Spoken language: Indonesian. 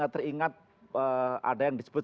teringat ada yang disebut